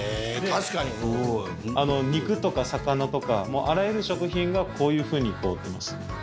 確かに肉とか魚とかもうあらゆる食品がこういうふうに凍ってます